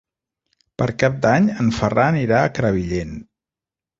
Per Cap d'Any en Ferran irà a Crevillent.